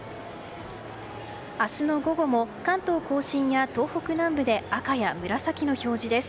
明日の午後も関東・甲信や東北南部は赤や紫の表示です。